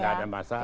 enggak ada masalah